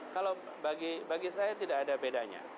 kalau bagi saya tidak ada bedanya